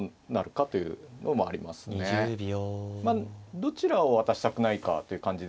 どちらを渡したくないかという感じですかね。